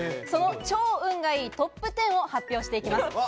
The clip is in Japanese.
その超運がいいトップ１０を発表していきます。